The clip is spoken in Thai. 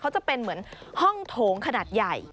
เขาจะเป็นเหมือนห้องโถงขนาดใหญ่